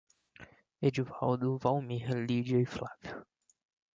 Edvaldo, Valmir, Lídia e Flávio